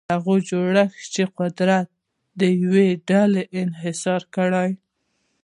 هغه جوړښت چې قدرت د یوې ډلې انحصار کړي.